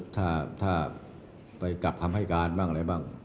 ถ้าไปกลับคำให้การบ้างอะไรบ้าง